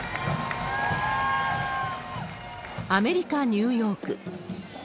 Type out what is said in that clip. アメリカ・ニューヨーク。